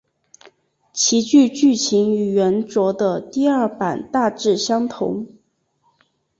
其剧剧情与原着的第二版大致相同。